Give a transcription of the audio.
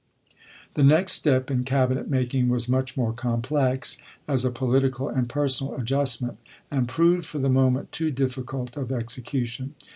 The next step in Cabinet making was much more complex as a political and personal adjust ment, and proved for the moment too difficult of execution.